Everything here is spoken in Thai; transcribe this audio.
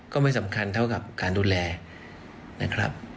ไม่สำคัญเท่ากับการดูแลนะครับ